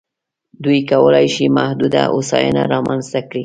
دوی کولای شي محدوده هوساینه رامنځته کړي.